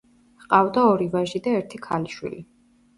ჰყავდა ორი ვაჟი და ერთი ქალიშვილი.